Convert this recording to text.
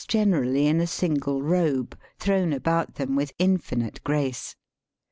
generally in a single robe, thrown about them with infinite grace.